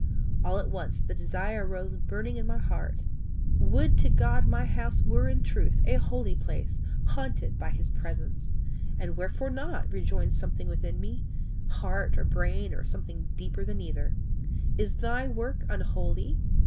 All at once the desire arose burning in my heart: Would to God my house were in truth a holy place, haunted by his presence! 'And wherefore not?' rejoined something within me heart or brain or something deeper than either. 'Is thy work unholy?